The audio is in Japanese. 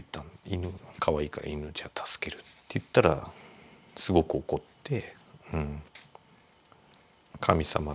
「犬かわいいから犬じゃあ助ける」って言ったらすごく怒って。